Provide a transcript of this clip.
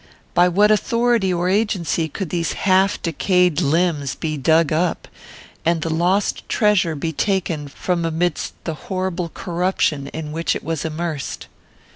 By what authority or agency could these half decayed limbs be dug up, and the lost treasure be taken from amidst the horrible corruption in which it was immersed?